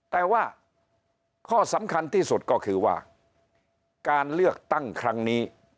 แต่ว่าข้อสำคัญที่สุดก็คือว่าการเลือกตั้งครั้งนี้